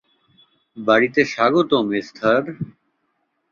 বাড়িতে স্বাগতম, এস্থার।